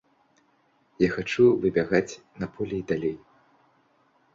Я хачу выбягаць на поле і далей.